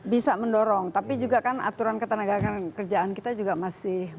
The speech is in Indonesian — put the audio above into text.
bisa mendorong tapi juga kan aturan ketenaga kerjaan kita juga masih